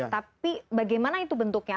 tap bagaimana itu bentuknya